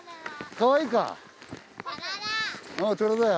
かわいい。